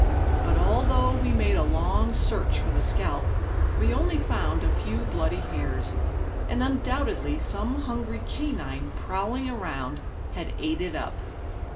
But although we made a long search for the scalp, we only found a few bloody hairs, and undoubtedly some hungry canine prowling around had ate it up.